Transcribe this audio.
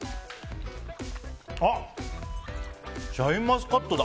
シャインマスカットだ！